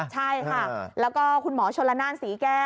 ใช่ค่ะแล้วก็คุณหมอชนละนานศรีแก้ว